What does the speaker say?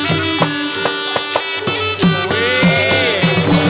มีชื่อว่าโนราตัวอ่อนครับ